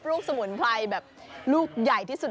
สมุนไพรแบบลูกใหญ่ที่สุด